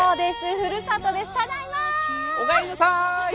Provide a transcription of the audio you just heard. ふるさとです。